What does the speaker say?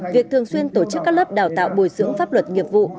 việc thường xuyên tổ chức các lớp đào tạo bồi dưỡng pháp luật nghiệp vụ